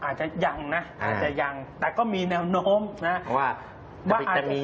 จะขึ้นของพี่เองไหมคุณวิก